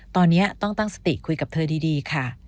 ตอนนี้ต้องตั้งสติคุยกับเธอดีค่ะ